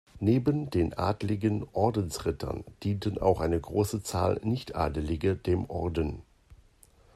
Neben den adeligen Ordensrittern dienten auch eine große Zahl Nichtadelige dem Orden.